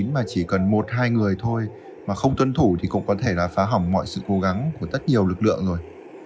mà chỉ cần một hai người thôi mà không tuân thủ thì cũng có thể là phá hỏng mọi sự cố gắng của rất nhiều lực lượng rồi